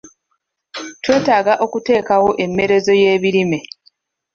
Twetaaga okuteekawo emmerezo y'ebirime.